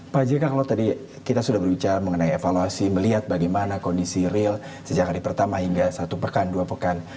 pak jk kalau tadi kita sudah berbicara mengenai evaluasi melihat bagaimana kondisi real sejak hari pertama hingga satu pekan dua pekan